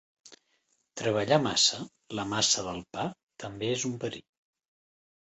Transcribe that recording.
Treballar massa la massa del pa també és un perill.